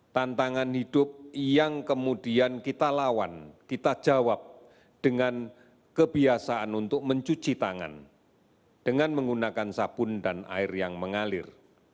tantangan hidup yang kemudian kita lawan kita jawab dengan kebiasaan untuk mencuci tangan dengan menggunakan sabun dan air yang mengalir